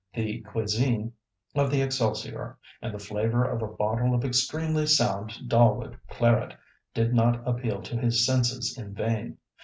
The cuisine of the Excelsior, and the flavour of a bottle of extremely sound Dalwood claret, did not appeal to his senses in vain.